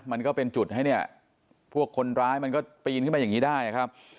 มันก็เป็นจุดให้เนี่ยพวกคนร้ายมันก็ปีนขึ้นมาอย่างนี้ได้ครับ